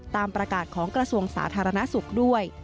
ตามประกาศของกระทรวงสาธารณสุขด้วย